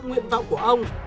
nguyện vọng của ông